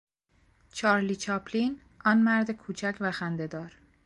چارلی چاپلین، آن مرد کوچک و خندهدار